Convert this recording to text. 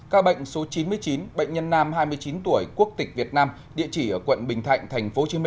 các bệnh số chín mươi chín bệnh nhân nam hai mươi chín tuổi quốc tịch việt nam địa chỉ ở quận bình thạnh tp hcm